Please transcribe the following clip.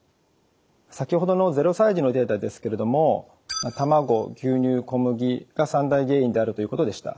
先ほどの０歳児のデータですけれども卵牛乳小麦が三大原因であるということでした。